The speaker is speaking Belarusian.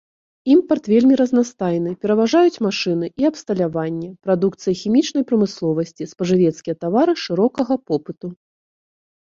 Імпарт вельмі разнастайны, пераважаюць машыны і абсталяванне, прадукцыя хімічнай прамысловасці, спажывецкія тавары шырокага попыту.